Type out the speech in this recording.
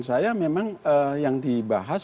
saya memang yang dibahas